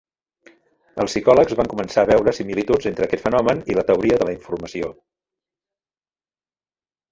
Els psicòlegs van començar a veure similituds entre aquest fenomen i la teoria de la informació.